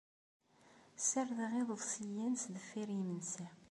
Ssardeɣ iḍebsiyen sdeffir yimensi.